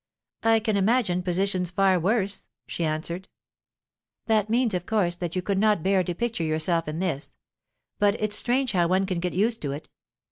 "I can imagine positions far worse," she answered. "That means, of course, that you could not bear to picture yourself in this. But it's strange how one can get used to it.